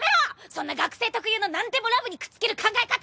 そんな学生特有の何でもラブにくっつける考え方！